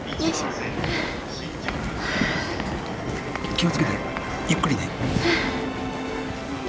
気を付けてゆっくりね。